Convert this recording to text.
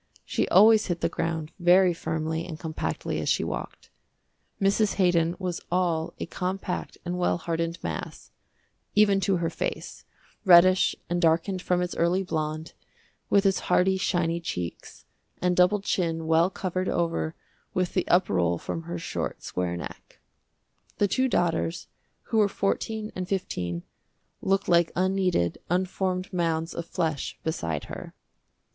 She always hit the ground very firmly and compactly as she walked. Mrs. Haydon was all a compact and well hardened mass, even to her face, reddish and darkened from its early blonde, with its hearty, shiny cheeks, and doubled chin well covered over with the up roll from her short, square neck. The two daughters, who were fourteen and fifteen, looked like unkneaded, unformed mounds of flesh beside her.